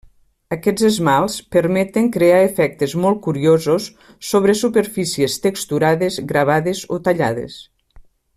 Aquests esmalts permeten crear efectes molt curiosos sobre superfícies texturades, gravades o tallades.